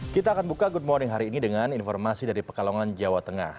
kita akan buka good morning hari ini dengan informasi dari pekalongan jawa tengah